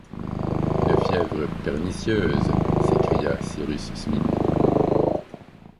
Une fièvre pernicieuse! s’écria Cyrus Smith.